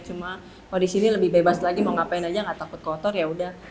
cuma kalau di sini lebih bebas lagi mau ngapain aja gak takut kotor yaudah